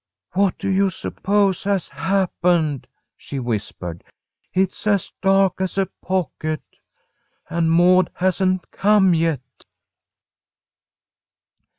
"What do you suppose has happened?" she whispered. "It's as dark as a pocket, and Maud hasn't come yet."